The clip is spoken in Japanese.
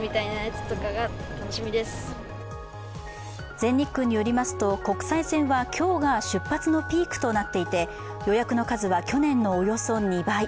全日空によりますと国際線は今日が出発のピークとなっていて予約の数は去年のおよそ２倍。